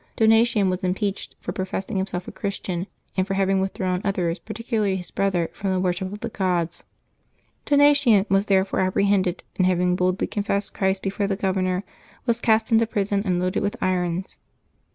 Donatian was im peached for professing himself a Christian, and for having withdrawn others, particularly his brother, from the wor ship of the gods. Donatian was therefore apprehended, and having boldly confessed Christ before the governor, was cast into prison and loaded with irons.